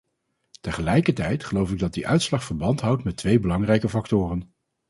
Tegelijkertijd geloof ik dat die uitslag verband houdt met twee belangrijke factoren.